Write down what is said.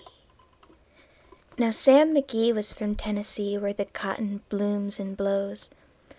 Now Sam McGee was from Tennessee, where the cotton blooms and blows.